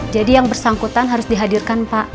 jadi yang bersangkutan harus dihadirkan pak